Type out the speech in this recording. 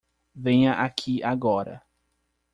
Venha aqui agora.